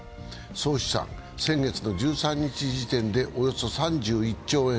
総資産は先月の１３日時点でおよそ３１兆円。